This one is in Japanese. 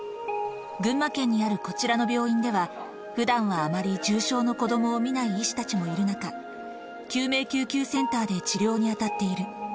群馬県にあるこちらの病院では、ふだんはあまり重症の子どもを診ない医師たちもいる中、救命救急センターで治療に当たっている。